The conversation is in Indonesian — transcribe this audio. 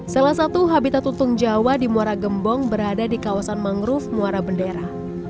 salah satu habitat lutung jawa di muara gembong berada di kawasan mangrove muara bendera